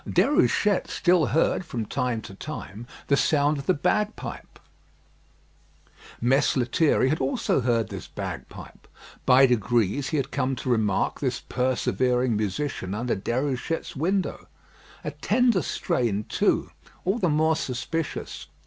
Déruchette still heard, from time to time, the sound of the bagpipe. Mess Lethierry had also heard this bagpipe. By degrees he had come to remark this persevering musician under Déruchette's window. A tender strain, too; all the more suspicious.